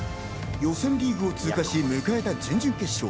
予選リーグを通過し、迎えた準々決勝。